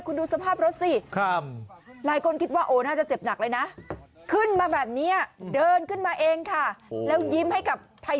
คุณดูให้จบนะข่าวนี้นี่ค่ะ